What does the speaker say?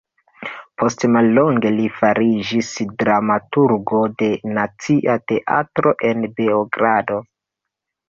Post mallonge li fariĝis dramaturgo de Nacia Teatro en Beogrado.